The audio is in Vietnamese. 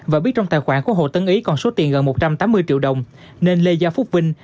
và biết trong tài khoản của hộ tân ý còn số tiền gần một trăm tám mươi triệu đồng nên lê gia phúc vinh